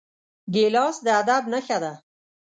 ګیلاس د ادب نښه ده.